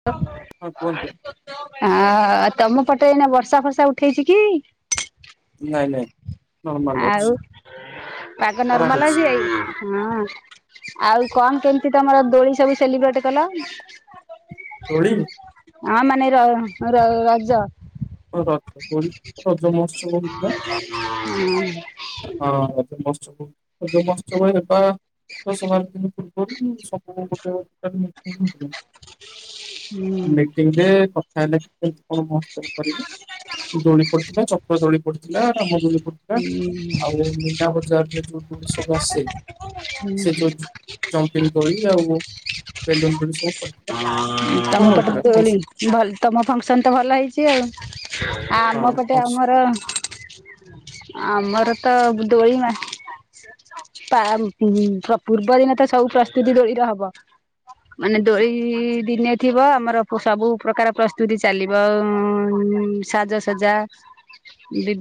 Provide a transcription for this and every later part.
[unintelligible] ହଁ କୁହନ୍ତୁ। ହ ତମ ପଟେ ଏନା ବର୍ଷା ଫର୍ଷା ଉଠେଇଛି କି? ନାଇଁ ନାଇଁ। ନର୍ମାଲ ଅଛି ଆଉ ପାଗ ନର୍ମାଲ କରାହେଇଛି ଅଛିଇ ହଁ। ଆଉ କଣ କେମିତି ତମର ଦୋଳି ସବୁ ସେଲିବ୍ରେଟ କଲ? ଦୋଳି? ହଁ ମାନେ ର ର ରଜ। [unintelligible] ହୁଁ ହଁ ଏ ମସ୍ତ ଯୋଉ ମସ୍ତକ ହେବା। ତ ସ ଦିନ ପୂର୍ବରୁ ମୁ ସ ଗୋଟେ। ହୁଁ। ହୁଁ ମିଟିଂରେ କଥା ହେଲେ [unintelligible] କଣ? ଦୋଳି ପଡିଥିଲା ଚପ୍ର ଦୋଳି ପଡିଥିଲା ରାମ ଦୋଳି ପଡିଥିଲା ଆଉ। ବଜାରରେ ଯୋଉ ଜଣିଷବୁ ଆସେ ସେ ଯୋଉ ଜମ୍ପିଙ୍ଗ ଦୋଳି ଆଉ ବେଲୁନ ସବୁ। ପଡିଥିଲା ଭଲ ତମ ପଟ ହଉଥିଲା ଦୋଳି ଫଙ୍କସନ ତ ତମ ଫଙ୍କସନ ତ ଭଲ ହେଇଛି। ଚ୍ଛି ଆଉ ଆ ଆମ ହଁ ପଟେ ଫଙ୍କସନ ଆମର ଆମର ତ ଦଇ [unintelligible] ପୂର୍ବ ଦିନେ ତ ସବୁ ପ୍ରସ୍ତୁତି ଦୋଳିର ହବ। ମାନେ ଦୋଳି ଦିନେ ଥିବ ଆମର ସବୁ ପ୍ରକାର ପ୍ରସ୍ତୁତି ଚାଲିବ ଉ। ସାଜସଜ୍ଜା। ବି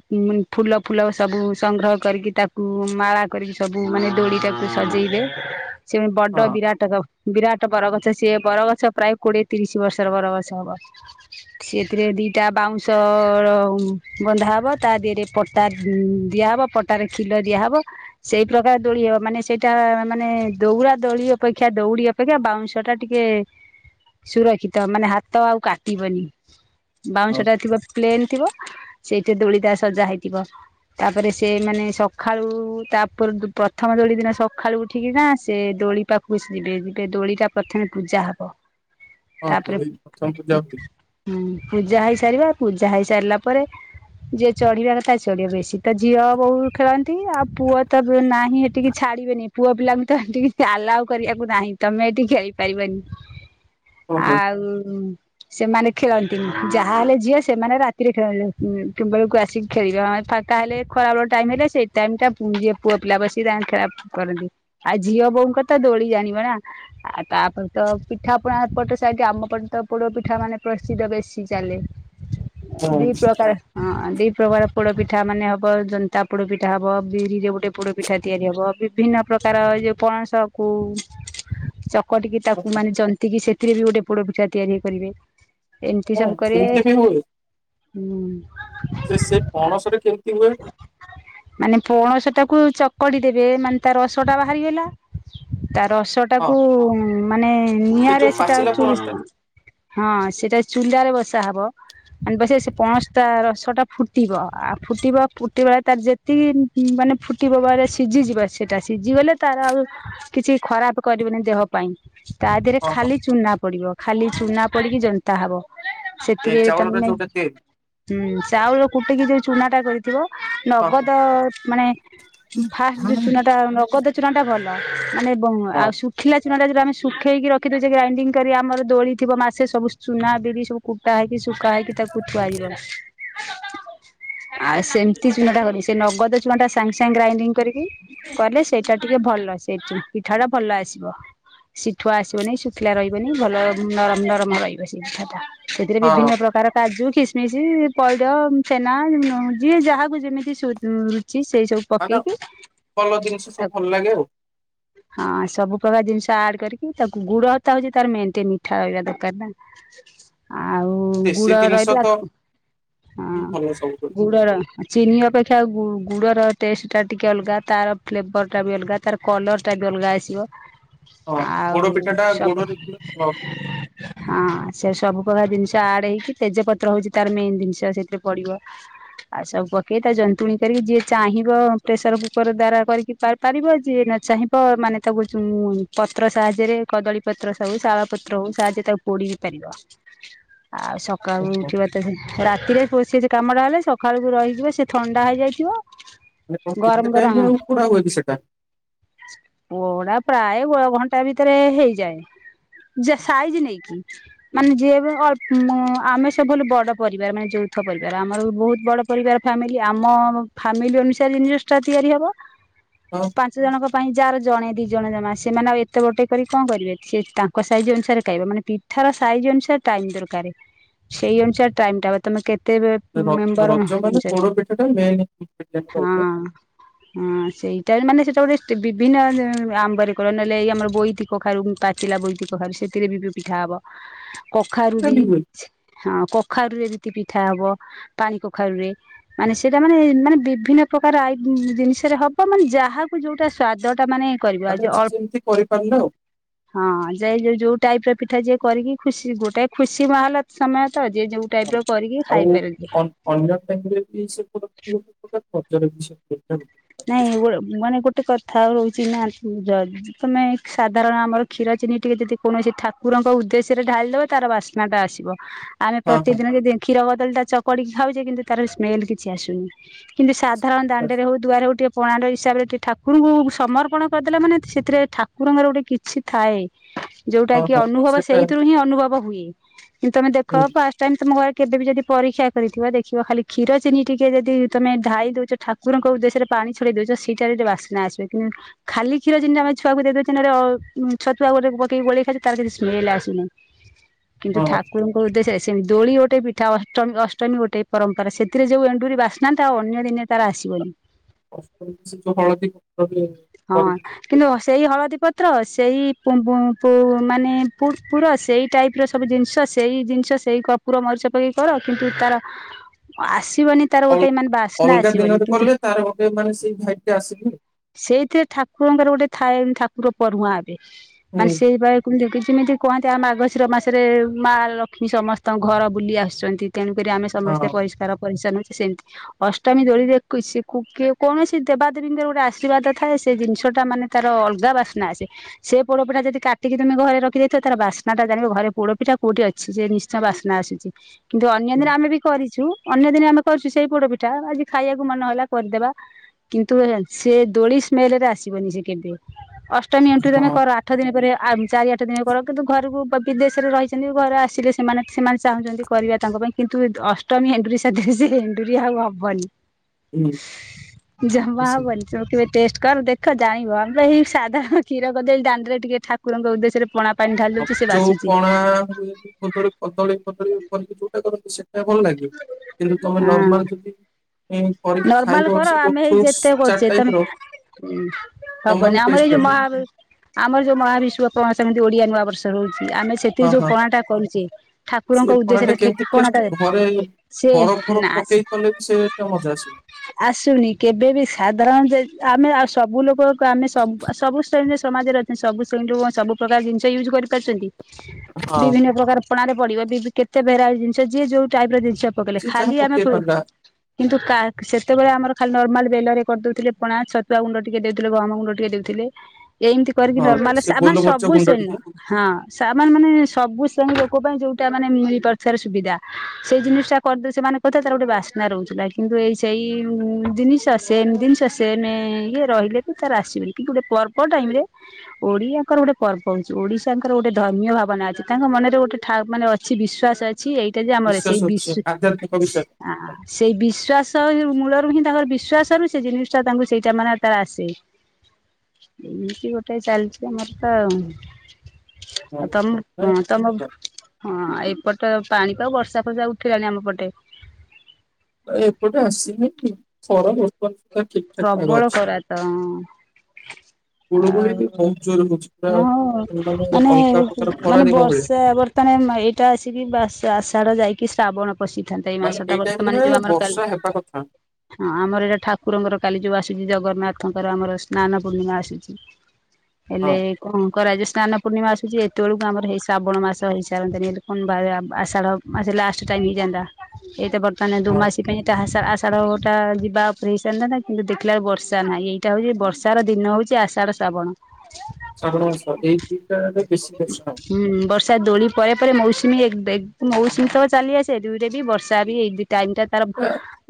ଫୁଲ ଫୁଲ ସବୁ ସଂଗ୍ରହ କରିକି ତାକୁ ମାଳା କରିକି। ସବୁ ମାନେ ଦୋଳି ଟାକୁ ସଜେଇବେ ସେ ବଡ ହଁ ବିରାଟ ବ ବିରାଟ ବରଗଛ ସିଏ ବରଗଛ ପ୍ରାୟ କୋଡ଼ିଏ ତିରିଶ ବର୍ଷର ବରଗଛ ହବ। ସେଥିରେ ଦିଟା ବାଉଁଶ ବନ୍ଧା ହବ ତା ଦେହରେ ପଟା ଦିଆହବ ପଟାରେ କ୍ଷୀଲ ଦିଆହବ। ସେଇ ପ୍ରକାର ଦୋଳି ହବ ମାନେ ସେଇଟା ମାନେ ଦୌଡ଼ା ଦୋଳି ଅପେକ୍ଷା ଦୌଡ଼ି ଅପେକ୍ଷା ବାଉଁଶ ଟା ଟିକେ ସୁରକ୍ଷିତ ମାନେ ହାତ ଆଉ କାଟିବନି ବାଉଁଶ ହଁ ଟା ଥିବ ପ୍ଲେନ୍ ଥିବ। ସେଇଠି ଦୋଳିଟା ସଜା ହେଇଥିବ ତାପରେ ସେ ମାନେ ସଖାଳୁ ତା ପୂର୍ବୁ ଦ ପ୍ରଥମ ଦୋଳି ଦିନ ସଖାଳୁ ଉଠିକିନା ସେ ଦୋଳି ପାଖକୁ ସେ ଯିବେ ଯିବେ ଦୋଳିଟା ପ୍ରଥମେ ପୂଜା ହବ ହଁ ତାପରେ ଦୋଳି ପ୍ରଥମ ପୂଜା ହୁଏ ହୁଁ ପୂଜା ହେଇସାରିବା ପୂଜା ହେଇସାରିଲା ପରେ ଯିଏ ଚଢ଼ିବା କଥା ଚଢ଼ିବା ବେଶୀ ତ ଝିଅ ବୋଉ ଖେଳନ୍ତି ଆଉ ପୁଅ ତ ନାହିଁ ସେଠିକି ଛାଡ଼ିବେନି ପୁଅ ପିଲାଙ୍କୁ ତ ସେଟିକି ଆଲାଉ କରିବାକୁ ନାହିଁ ତମେ ଏଠି ଖେଳିପାରିବନି। ହୁଁ ହୁଁ ଆଉ ସେମାନେ ଖେଳନ୍ତିନି ଯାହାହେଲେ ଝିଅ ସେମାନେ ରାତିରେ ଖେଳନ୍ତି କିମ୍ବେଳକୁ ଆସିକି [unintelligible] ତାହେଲେ ଖରାବେଳ ଟାଇମ ରେ ସେଇ ଟାଇମ ଟା [unintelligible] ପୁଅ ପିଲା ବସିକି ତା ଖେଳା କରନ୍ତି ଆଉ ଝିଅ ବୋଉଙ୍କ ତ ଦୋଳି ଜାଣିବ ନା। ଆଉ ତାପରେ ତ ପିଠା ପଣା ଗୋଟେ ସାଇଟ୍ ଆମ ପର୍ଯ୍ୟନ୍ତ ପୋଡ଼ ପିଠା ମାନେ ପ୍ରସିଦ୍ଧ ବେଶୀ ଚାଲେ। ହଁ ଦି ପ୍ରକାର। ହଁ ଦି ପ୍ରକାର ପୋଡ଼ପିଠା ମାନେ ହବ ଜନ୍ତା ପୋଡ଼ ପିଠା ହବ ବିରିରେ ଗୋଟେ ପୋଡ଼ ପିଠା ତିଆରି ହବ ବିଭିନ୍ନ ପ୍ରକାର ଏ ଯେଉଁ ପଣସକୁ। କରିକି ତାକୁ ହଁ ମାନେ ଜନ୍ତିକି ସେଥିରେ ବି ଗୋଟେ ପୋଡ଼ ପିଠା ତିଆରି ହେଇପାରିବେ। ହଁ ସେମତି ବି ହୁଏ। ହୁଁ ସେ ସେ ପଣସରେ କେମିତି ହୁଏ। ମାନେ ପୌଣସ ଟା। ହୁ ଚକଟି ଦେବେ ମାନେ ତା ରସ ଟା ବାହାରୀ ଗଲା ତା ରସ ସେଟାକୁ ହଁ ମାନେ ସେ ନିଆଁରେ ଯୋଉ ସେଟା ପାଚିଲା ଚୁଲ୍ ପଣସ ଟା ହଁ ସେଟା ଚୁଲାରେ ବସା ହବ ମା ନ୍ ବସେ ପଣସ ଟା ରସଟା ଫୁଟିବ ଆଉ ଫୁଟିବା ଫୁଟିବା ତାର ଯେତିକି ମାନେ ଫଟ୍ କିବାବାରେସିଝିଯିବ ସେଟା ସିଝିଗଲେ ତାର ଆଉ କିଛି ଖରାପ କରିବନି ଦେହ ପାଇଁ ତା ଦେହରେ ହଁ ହଁ ଖାଲି ଚୁନା ପଡ଼ିବ ଖାଲି ଚୁନା ପଡ଼ିକି ଜନ୍ତା ହବ। ଏଇ ସେଥିରେ ଚାଉଳରେ ତମେ ଯୋଉଟା ତିଆରି ହୁଁ ଚାଉଳ କୁଟିକି ଯୋଉ ଚୁନା ଟା କରିଥିବ ହଁ ହଁ ନଗଦ ମାନେ ଫାଷ୍ଟ ଯୋଉ ଚୁନା ଟା ନଗଦ ଚୁନା ଟା ଭଲ ମାନେ ବ ହଁ ଆଉ ଶୁ ଖିଲା ଚୁନାଟା ଯଉଟା ଆମେ ଶୁଖେଇକି ରଖିଦଉଛେ ଗ୍ରାଇଣ୍ଡିଙ୍ଗ କରି ଆମର ଦୋଳିଥିବ ମାସେ ସବୁ ଚୁନା ବିରି ସବୁ କୁଟା ହେଇକି ଶୁଖା ହେଇକି ତାକୁ ଥୁଆଇଗଲା। ହ ଆଉ ସେମିତି ଚୁନାଟା କଲୁ ସେ ନଗଦ ଚୁନାଟା ସାଙ୍ଗେ ସାଙ୍ଗେ ଗ୍ରାଇଣ୍ଡିଙ୍ଗ କରିକି କଲେ ସେଇଟା ଟିକେ ଭଲ ସେଠି ପିଠା ଟା ଭଲ ଆସିବ। ଶିଠୁଆ ଆସିବନି ଶୁଖିଲା ରହିବନି ଭଲ ନରମ ନରମ ରହିବ ସେ ପିଠା ଟା। ସେଥିରେ ହଁ ବିଭିନ୍ନ ପ୍ରକାର କାଜୁ ଖିସମିସି ପଇଡ଼ ଛେନା ଯିଏ ଯାହାକୁ ଯେମିତି ସୁତ ରୁଚି କି ସେଇ ସବୁ ମାଡାମ୍ ପକେଇକି ଭଲ ଜିନିଷ ସବୁ ତାକୁ ଭଲ ଲାଗେ ଆଉ। ହଁ ସବୁ ପ୍ରକାର ଜିନିଷ ଆଡ କରିକି ତାକୁ ଗୁଡ଼ ତା ହଉଛି ତାର [unintelligible] ମିଠା ରହିବା ଦରକାର ନା। ହ ଆଉ ଉ ଦେଶୀ ଗୁଡ ଜିନିଷ ରହିଥିଲା। ତ ହଁ ଭଲ ସବୁଠୁ ଗୁଡର ଚିନି ଅପେକ୍ଷା ଗୁ ଗୁଡର ଟେଷ୍ଟ ଟା ଟିକେ ଅଲଗା ତାର ଫ୍ଲେବର ଟା ବି ଅଲଗା ତାର କଲର୍ ଟା ବି ଅଲଗା ଆସିବ। ହଁ ପୋଡ ଆଉ ପିଠା ଟା ସବୁ। ଗୋଡରେ କଲେ ଭଲ ହଁ ସେ ସବୁ ପ୍ରକାର ଜିନିଷ ଆଡ୍ ହେଇକି ତେଜପତ୍ର ହଉଚି ତାର ମେନ୍ ଜିନିଷ ସେଥିରେ ପଡିବ। ଆଉ ସବୁ ପକେଇ ତା ଜନ୍ତୁଣୀ କରିକି ଯିଏ ଚାହିଁବ ପ୍ରେସର କୁକର ଦ୍ଵାରା କରିକି ଚାଇ ପାରିବ। ଯିଏ ନ ଚାହିଁବ ମାନେ ତାକୁ ଚୁ ଉଁ ପତ୍ର ସାହାଯ୍ୟରେ କଦଳୀ ପତ୍ର ସବୁ ଶାଳ ପତ୍ର ହଉ ସାହାଯ୍ୟରେ ତାକୁ ପୋଡି ବିି ପାରିବ। ଆଉ ସ ହଁ କାଲି ହଁ ଉଠିବ ତ ହେଇ ରାତିରେ ପୋ ସେ ଯୋ କାମଟା ହେଲେ ସଖାଳୁକୁ ରହିଯିବ ସେ ଥଣ୍ଡା ହେଇଯାଇଥିବ। ମାନେ କଣ ଗରମ କେତେ ଟାଇମ୍ ରେ ଆଉ ପୋଡା ହୁଏ କି ସେଟା? ଓଅଡା ପ୍ରାୟେକ ଘଣ୍ଟା ଭିତରେ ହେଇଯାଏ ଯେ ସାଇଜ ନେଇକି। ହ ମାନେ ଯିଏ ଏବେ ଅଳ୍ପ ଉମ୍ ମ ଆମେ ସବୁ ହେଲୁ ବଡ଼ ପରିବାର ମାନେ ଯୌଥ ପରିବାର ଆମର ବହୁତ ବଡ଼। ପରିବାର ଫ୍ୟାମିଲି ଆମ ଫ୍ୟାମିଲି ଅନୁସାରେ ଜିନ୍ ଜିନିଷ୍ ଟା ତିଆରି ହବ। ହଁ। ପାଞ୍ଚ ଜଣଙ୍କ ପାଇଁ ଯାହାର ଜଣେ ଦି ଜଣ ଜମା ସେମାନେ ଆଉ ଏତେ ବଡ୍ ଟେ କରିକି କଣ କରିବେ? ସେ ତାଙ୍କ ସାଇଜ୍ ଅନୁସାରେ ଖାଇବେ ମାନେ ଟି ଠାର ସାଇଜ୍ ଅନୁସାରେ ଟାଇମ୍ ଦରକାରେ। ସେଇ ଅନୁସାରେ ଟାଇମ୍ ଟା ହବ ତମେ କେତେବେ ଏ ର ରଜ ମାନେ ପୋଡ ପିଠା ଟା ମେନ୍। ରହିବ ସେଟା ହଁ। ହଁ ସେଇଟା ମାନେ ସେଇଟା ଗୋଟେ ବିଭିନ୍ନ ଆମ୍ବର କରନ୍ତି ନହେଲେ ଏଇ ଆମର ବୋଇତି କଖାରୁ ପା ପାଚିଲା ବୋଇତି କଖାରୁ ସେଥିରେ ବିି ପିଠା ହବ। ହ କଖାରୁ ବି। ହଁ କଖାରୁୁ ରେ ଏମିତି ପିଠା ହବ। ପାଣି କଖାରୁୁରେ ମାନେ ସେ ଯା ମାନେ ମାନେ ବିଭିନ୍ନ ପ୍ରକାର ଆଇ ଜିନିଷରେ ହବ ମାନେ ଯାହାକୁ ଯୋଉଟା ସ୍ଵାଦ ଟା ମାନେ କରିବି ମାନେ ଆଜି ଯିଏ ଯେମିତି ଅଳ୍ପ୍ କରିପାରିଲା ଆଉ ହଁ ଯାଇ ଯାଇ ଯୋଉ ଟାଇପ୍ ର ପିଠା ଯିଏ କରିକି ଖୁସି ଗୋଟାଏ ଖୁସି ମହଲ ସମୟ ତ ଯିଏ ଯୋଉ ହଁ ଟାଇପ ର କରିକି ଆଉ ଖାଇପାରୁଚି। ଅନ୍- ଅନ୍ୟ ଟାଇମ୍ ରେ ବି ସେ ପ୍ରକାର [unintelligible] ଖର୍ଚ ରଖିଛି। ନାଇଁ ମାନେ ଗୋଟେ କଥା ଆଉ ରହୁଛି ନା ଯଦ୍ ତମେ ସାଧାରଣ ଆମର କ୍ଷୀର ଚିନି ଟିକେ ଯେଦି କୌଣସି ଠାକୁରଙ୍କ ଉଦ୍ଦେଶ୍ୟରେ ଢାଳିିଦବ ତାର ବାସ୍ ନା ଟା ଆସିବ। ଆମେ ହଁ ହଁ ପ୍ରତିଦିନ ଯେଦି କ୍ଷୀର କଦଳୀ ଟା ଚକଡିକି ଖାଉଚେ କିନ୍ତୁ ତାର ସ୍ମେଲ କିଛି ଆସୁନି। କିନ୍ତୁ ସାଧାରଣ ବାସ୍। ଦାଣ୍ଡରେ ହଉ ଦୁଆରେ ହଉ ଟିକଏ ପଣାଣ୍ଡ ହିସାବରେ ଟିକେ ଠାକୁରଙ୍କୁ ସମର୍ପଣ କରିଦେଲା ମାନେ ସେଥିରେ ଠାକୁରଙ୍କର ଗୋଟେ କିଛି ଥାଏ ଯୋଉଟା ହଁ କି ହଁ ଅନୁଭବ ସେଟା ସେଇଥିରୁ ହିଁ ଅନୁଭବ ହୁଏ। କିନ୍ତୁ ତମେ ଦେଖ ହୁଁ, ଫାଷ୍ଟ୍ ତଏମ ତୁମ ଘରେ କେବେ ବି ଯଦି ପରୀକ୍ଷା କରିଥିବ ଦେଖିବ ଖାଲି କ୍ଷୀର ଚିନି ଟିକେ ଯଦି ତମେ ଢାଇ ଦଉଚ ଠାକ୍ କୁରଙ୍କ ଉଦ୍ଦେଶ୍ୟରେ ପାଣି ଛଡେଇ ଦଉଚ ସେଇଟାରେ ଯୋଉ ବାସନା ଆସିବେ କିନ୍ ଖାଲି କ୍ଷୀର ଯିମତି ଆମେ ଛୁଆକୁ ଦେଇ ଦଉଚେ ନହେଲେ ଅ ଉଁ ଛତୁଆ ଗୋରେ ପକେଇ ଗୋଳେଇ ଖାଉଚେ ତାର କିଛି ସ୍ମେଲ ଆସୁନି। [inaudible] କିନ୍ତୁ ଠାକ୍ କୁରଙ୍କ ଉଦ୍ଦେଶ୍ୟରେ ସେମି ଦୋଳି ଗୋଟେ ପିଠା ଅଷ୍ଟମ୍ ଅଷ୍ଟମୀ ଗୋଟେ ପରମ୍ପରା ସେଥିରେ ଯୋଉ ଏଣ୍ଡୁରି ବାସ୍ନା ଥାଏ ଅନ୍ୟ ଦିନେ ତାର ଆସିବନି। ସେ ଯୋଉ ହଳଦୀ ପତ୍ର। ହଁ। କିନ୍ତୁ ସେଇ ହଳଦୀ ପତ୍ର ସେଇ ପୁଁ ପୁଁ ପୁ ମାନେ ପୁର୍ ପୁର ସେଇ ଟାଇପ୍। ଇପର ସବୁ ଜିନିଷ ସେଇ ଜିନିଷ ସେଇ କପୁର ମରିଚ ପକେଇକି କର କିନ୍ତୁ ତାର ଆସିବନି। ତାର ଅଲ୍ ଗୋଟେ ମାନେ ବାସ୍ନା ଅଲଗା ଆସିବନି ଦିନରେ କିନ୍ତୁ କଲେ ତାର ଗୋଟେ ମାନେ ସେଇ ଭାଇବ୍ ଟା ଆସିବନି। ସେଇଥିରେ ଠାକୁରଙ୍କର ଗୋଟେ ଥାଏ ଠାକୁର ପଢୁଆ ହେବେ ହୁଁ ମାନେ ସେଇପ। କୁନ୍ତୁ କି ଯେମିତି କହନ୍ତି ଆମ ଆଗଶିର ମାସରେ ମା ଲକ୍ଷ୍ମୀ ସମସ୍ତଙ୍କ ଘର ବୁଲି ଆସୁଛନ୍ତି ତେଣୁକରି ଆମେ। ହଁ ସମସ୍ତେ ପରିଷ୍କାର ପରିଚ୍ଛନ୍ନ ସେମିତି ଅଷ୍ଟମୀ ଦୋଳିରେୋଇ ସେ କ କି। କୌଣସି ଦେବାଦେବୀଙ୍କର ଗୋଟେ ଆଶୀର୍ବାଦ ଥାଏ ସେ ଜିନିଷ ଟା ମାନେ ତାର ଅଲଗା ବାସ୍ନା ଅସେ। ସେ ପୋଡପିଠା ଯଦି କାିକିମେ ଘରେଖି ଦେଇଥିବ ତାର ବାସ୍ନା ଟାଣିବ ଘରେ ପୋଡପିା କଉଠି ଅଛି। ସେ ନିଶ୍ଚୟ ବାସ୍ନା ଆସୁଛି। କିନ୍ତୁ ଅନ୍ୟ ହୁଁ, ଦିନ ଆମେ ବି କରିଛୁ ଅନ୍ୟ ଦିନେ ଆମେ କରିୁଛୁ ସେଇ ପୋଡ ପିଠା ଆଜି ଖାଇବାକୁ ମନ ହେଲା କରିଦେବା। କିନ୍ତୁ ସେ ଦୋଳି ସ୍ମେଲ ରେ ଆସିବନି ସେ କେବେ ଅଷ୍ଟମୀ ଏଣ୍ଠୁି ତମେ ହଁ କର। ଆଠ ଦିନ ପରେ ଚାରି ଆଠ ଦିନ କର କିନ୍ତୁ ଘରକୁ ବିଦେଶରେ ରହିଛନ୍ତି ଘରେ ଆସିଲେ ସେମାନେ ସେମାନେ ଚାହୁଁଛନ୍ତି କରିବା। ତାଙ୍କ ପାଇଁ କିନ୍ତୁ ଅଷ୍ଟମୀ ହେଣ୍ଡୁରିଆ ସାଧ୍ୟରେ ସେ ହେଣ୍ଡୁରିଆ ଆଉ ହବନି। ହୁଁ। ଜମା ସେଇ। ବୋଲିନ। ତ କେବେ ଟେଷ୍ଟ କର ଦେଖ ଜାଣିବ ଆମେ ଏଇ ସାଧାରଣ କ୍ଷୀର କଦେଇ ଦାଡିରେ ଟିକେ ଠାକୁରଙ୍କ ଉଦେଶ୍ୟରେ ପଣା। ପାଣି ଢାଳି ଆଉ ଦଉଚି ସେ ଯୋଉ ବାସୁଚି ପଣା କଦଳୀ କଦଳୀ କଦଳୀ କରିକି ଯୋଉ। କରୁ ସେଇଟା ଭଲ ଲାଗେ କିନ୍ତୁ ତମେ ହଁ। ନର୍ମାଲ ଯଦି। କରିକି ନର୍ମାଲ ଖାଇବ କର ସେ ଆମେ ଏଇ ଫ୍ରୁଟଟ ଯେତେ କରୁଛେ ତମେ ଟାଇପ ର। ହୁଁ ସବ ଜମା ବି ବନି ଆମର ଟେଷ୍ଟ ଏଇ ଯଉ ଲାଗିବ ମହା। ଆମର ଯୋଉ ମହାବିଶୁପ ସେମିତି ଓଡିଆ ନୂଆ ବର୍ଷ ରହୁଛି ଆମେ। ହଁ ସେତିକି ଯୋଉ ହଁ ପଣା ଟା କରୁଛି ସେ ଠାକୁରଙ୍କ ପଣାଟା ଉଦ୍ଦେଶ୍ୟରେ କେମିତି ଠିକ ପଣା ଟା। ଟେଷ୍ଟ ଘରେ ସେ ନାଚ। ସେଟ ମଜା ଆସିବ। ଆସୁନି କେବେ ବି ସାଧାରଣ ଯେ ଆମେ ଆଉ ସବୁ ଲୋକ ଆମେୁ ସବୁ ଶ୍ରେଣୀରେ ସମାଜରେ। ସବୁ ସେୁ ସବୁ ପ୍ରକାର ଜିନିଷ ୟୁଜ୍ କରିପାରୁଛନ୍ତି। ହଁ ବିଭିନ୍ନ ପ୍ରକାର ପଣାାରେ ପଡିବ କେତେ ଭେରାଇଟି ଜିନିଷ ଯିଏ ଯୋଉ ଟାଇପ ର ଜିନିଷ। ପକେଇିଲଲେ ଯିଏ ଯାହା ଖାଲି ଆମେ। ପକେଇ ପାରିଲା କିନ୍ତୁ ସେତେବେଳେ ଆମର ଖାଲି ନର୍ମାଲ ବେଲରେ କରିଦଉଥିଲେ ପଣା ଛତୁଆ ଗୁଣ୍ଡ ଟିକେ ଦେଉଥିଲେ ଗହମ ଗୁଣ୍ଡ ଟିକେ ଦେଉଥିଲେ। ଏମିତି କରିକି ହଁ ନର୍ମାଲ ସେ ମାନେ ଗୋଲମରିଚ ସବୁ ଗୁଣ୍ଡ ସେନୁ। ଟିକେ ହଁ ସେମାନେ ମାନେ ସବୁ ଶ୍ରେଣୀ ଲୋକ ପାଇଁ ଯୋଉଟା ମାନେ ମିଳିପାରୁଥିବାର ସୁବିଧା ସେଇ ଜିନିଷ ଟା କରିଦେ ସେମାନେ କଥା ତାର ଗୋଟେ ବାସ୍ନା ରହୁଛି। ଥିଲା କିନ୍ତୁ ଏଇ ସେଇ ଜିନିଷ ସେଏମ ଜିନିଷ ସେଏମ ଇଏ ରହିଲେ। ତାର ଆସିବେନି କିନ୍ତୁ ଯେ ପରପର ଟାଇମ ରେ ଓଡିଆଙ୍କର ଗୋଟେ ପର୍ବ ହଉଛି ଓଡିଶାଙ୍କର ଗୋଟେ ଧର୍ମୀୟ ଭାବନା ଅଛି ତାଙ୍କ ମନରେ ଗୋଟେ ଠାବ ମାନେ ଅଛି ବିଶ୍ୱାସ ଛି ଏଇଟା ଯେ ଆମର ବିଶ୍ୱାସ ସେଇ ଅଛି ବିଶ୍ୱ ଆଧ୍ୟାତ୍ମିକ ବିଶ୍ୱାସ ଆ ସେଇ ବିଶ୍ୱାସ ରେ ମୂଳରୁ ହିଁ ତାଙ୍କର ବିଶ୍ୱଵାସରୁ ସେ ଜିନିଷଟା ତାଙ୍କୁ ସେଇଟା ମାନେ ତାର ଆସେ ଏମିତି ଗୋଟେ ଚାଲିଛି ଆମର ତଅ ହଁ ଆ ହଁ। ତମ ତମ ହଁ ଏପଟ ପାଣି ତ ବର୍ଷା ଫର୍ଷା ଉଠିଲାଣି ଆମ ପଟେ ଏପଟେ ଆସିନି ଖରା ବର୍ତ୍ତମାନ ସୁଧା ଠିକ ଠାକ ପାଗ ଅଛି। ତଅଂଅଂ ଆଉ ଗୁଳୁଗୁଳି ବି ବହୁତ ଜୋର ହଉଛି ପୁରା ହଁ ହଉ ମାନେ ଅଲଗା ପ୍ରକାର ଖରା ମାନେ ଦିନ ଭଳିଆ ବର୍ଷେ ବର୍ ମାନେ ମ ଏଇଟା ଆସିକି ବା ଆଷାଢା ଯାଇକି ଶ୍ରାବଣ ପଶିଥାନ୍ତା ଏଇ ମାସଟା ଏ ବର୍ତ୍ତମାନ ଯୋଉ ଦିନରେ ଆମର କାଲି ବର୍ଷା ହେବା କଥା ହଁ ଆମର ଏଇଟା ଠାକୁରଙ୍କର କାଲି ଯୋଉ ଆସୁଛି ଜଗନ୍ନାଥଙ୍କର ଆମର ସ୍ନାନ ପୂର୍ଣ୍ଣିମା ଆସୁଛି ହେଲେ ହଁ କଣ କରାଯିବ ସ୍ନାନ ପୂର୍ଣିମା ଆସୁଛି ଏତେବେଳକୁ ଆମର ହେଇ ଶ୍ରାବଣ ମାସ ହେଇସାରନ୍ତାଣି ହେଲେ କଣ ଭ ଆଷାଢ ମାସେ ଲାଷ୍ଟ ଟାଇମି ହେଇଯାନ୍ତା ଏଇ ତ ବର୍ତନ ଦୋ ହଁ ମାସୀ ପାଇଁ ଟା ଆଷା ଆଷାଢଟା ଯିବା ଉପରେ ହେଇସାରିନ୍ତା କିନ୍ତୁ ଦେଖିଲା ବକୁ ବର୍ଷା ନାହିଁ ଏଇଟା ହଉଛି ବର୍ଷାର ଦିନ ହଉଛି ଆାଢ ସାଡ଼ ଶ୍ରାବଣ ଶ୍ରାବଣ ମାସ ଏଇ ଦିଟାରେ ବେଶୀ ବର୍ଷା ନାହି। ସା ଦୋଳି ପରେ ପରେ ମୌସୁମୀ ଏକ ମୌସୁମୀ ତ ଚାଲି ଆସେ ଏ ଦୁଇରେ ବି ବର୍ଷା ବି ଏଇ ଦ ଟାଇମ ଟା ତାର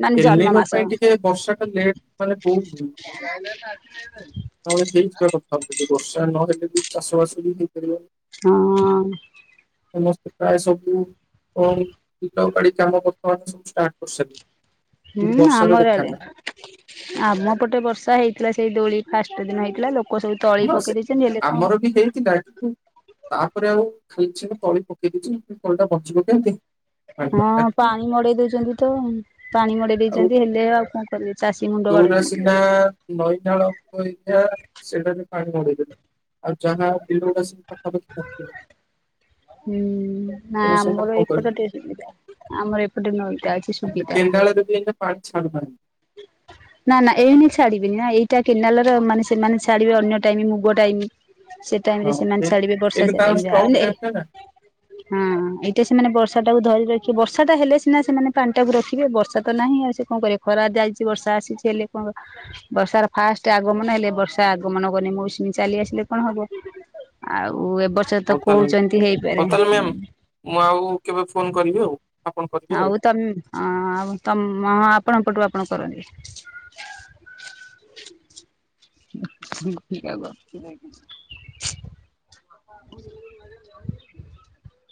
ମାନେ ଜନ୍ମ ମାସ ଅନେଇଙ୍କପାଇଁ ଟିକେ ବର୍ଷା ଟା ଲେଟ୍ ମାନେ କୋଉ ଆସ [unintelligible] ତାହେଲେ ହେଇଯଥିବା କଥାି ବର୍ଷା ନହଲେ ବି ଚାଷ ବାସ ବି ହେଇପାରିବ। ହଁ। ସମସ୍ତେ ପ୍ରାୟ ସବୁ ବିଲ ବାଡି କାମ ବର୍ତମାନ ଷ୍ଟାର୍ଟ [unintelligible] କିନ୍ତୁ ହୁଁ ବର୍ଷାର ଆମର ଦେଖା ଆଡେ। ନାହିଁ ଆମ ପଟେ ବର୍ଷା ହେଇଥିଲା ସେଇ ଦୋଳି ଫାଷ୍ଟ ଦିନ ହେଇଥିଲା ଲୋ ସମସ୍ତେ ଆମର ବି ହେଇଥିଲା ତାପରେ ଆଉ କିଛି ତଳି ପକେଇ ଦେଇଉଛି ତଳି ଟା ବଞ୍ଚିବ [unintelligible] ହଁ ଦରକାର କି? ପାଣି ମଡେଇ ଦଉଛନ୍ତି ତ ପାଣି ମଡେଇ ଆଉ ଦେଇଛନ୍ତି ହେଲେ ଆଉ କଣ ଖାଲି ଚାଷୀ ମୁୁଣ୍ଡ ବାଡଉଛନ୍ତି ଆଉ। ନଈନାଳା [unintelligible] ସେଠାରେ ପାଣି [unintelligible] ଆଉ ଯାହା ବିଲ ଗୁଡ଼ା ସେ ପାଖାପାଖି କରିଥିବ ହୁଁ ନା ସେମାନେ ଆମର କଣ ଏଇ କରିବେ ଫଟ [unintelligible] ଆମର ଏପଟେ ନ ଟା [unintelligible] କେଣ୍ଡାଳାଯଦି ଏଇଟା ଆଚଛା ହଁ [unintelligible] ନା ନା ଏଇନଁ ଛାଡିବେନି ନା ଏଇଟା କେନାଲ ର ମାନେ ସେମାନେ ଛାଡିବେ ଅନ୍ୟ ଟାଇମ ମୁଗ ଟାଇମ। ସେ ଟାଇମ ହଁ, ରେ ସେମାନେ ଏ- ଛାଡିବେ, ବର୍ଷା ଏବେ ସେ ତାର ଟାଇମ ରେ ଷ୍ଟକ୍ ଆଉନେ ଟାଇମ୍ ଟା ନା ହଁ ଏଇଟା ସେମାନେ ବର୍ଷା ଟାକୁ ଧରି ରଖିବେ ବର୍ଷା ଟା ହେଲେ ସିନା ସେମାନେ ପାଣି ଟାକୁ ରଖିବେ ବର୍ଷା ତ ନାହିଁ ଆଉ ସେ କଣ କରିବ ଖରା ଯାଇଛି ବର୍ଷା ଆସିଛି ହେଲେ ବର୍ଷାର ଫାଷ୍ଟ ଆଗମନ ହେଲେ ବର୍ଷା ଆଗମନ କଲେ ମୌସୁମୀ ଚାଲି ଆସିଲେ କଣ ହବ। ଆଉ ଏବ ବର୍ଷ ତ ହଉ ତାହେଲେ କୋହୁଛନ୍ତି ହଉ ହେଇପାରେ। ତାହେଲେ ମ୍ୟାମ୍ ମୁଁ ଆଉ କେବେ ଫୋନ୍ କରିବି ଆଉ। ଆପଣ କରିବେ ଆଉ ତମଁ ଆଉ ତମ ହଁ ଆପଣ ପଟୁ ଆପଣ କରନ୍ତୁ। [unintelligible] ହ [unintelligible]